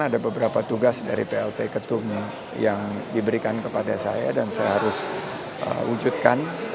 ada beberapa tugas dari plt ketum yang diberikan kepada saya dan saya harus wujudkan